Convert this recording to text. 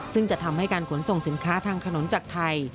ซึ่งจะทำให้การขนส่งสินค้าทางถนนจากไทย